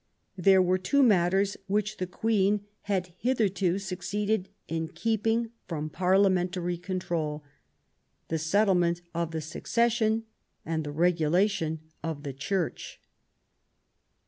There were two matters which the Queen had hitherto succeeded in keeping from Parliamentary control — the settlement of the succession, and the regulation of the Church.